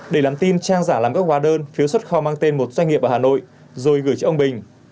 để nhắn tin trang giả làm các hóa đơn phiếu xuất kho mang tên một doanh nghiệp ở hà nội rồi gửi cho ông bình